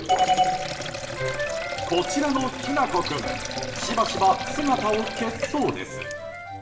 こちらの、きなこ君しばしば姿を消すそうです。